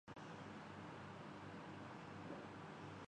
انسان جب اپنی اصل کو بھول کر کسی نئی خو د ساختہ روش پرچلتا ہے